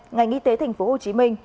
ngành y tế thành phố hồ chí minh